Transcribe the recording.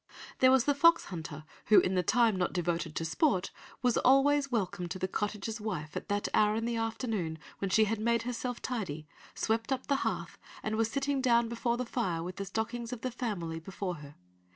There was the fox hunter who in the time not devoted to sport was always "welcome to the cottager's wife at that hour in the afternoon when she had made herself tidy, swept up the hearth, and was sitting down before the fire with the stockings of the family before her.